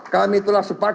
kami telah sepakat